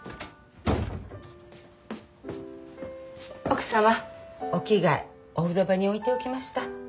奥様お着替えお風呂場に置いておきました。